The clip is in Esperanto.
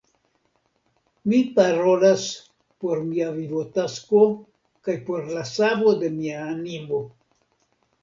Mi parolas por mia vivotasko kaj por la savo de mia animo!